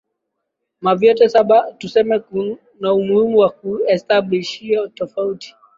ma vyote saba tuseme kunaumuhimu wa kuestablish hiyo tofauti